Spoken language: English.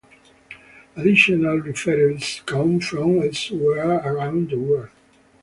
Additional referrals come from elsewhere around the world.